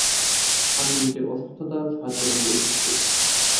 আমি নিজের অসুস্থতার সাহায্য নিতে এসেছি।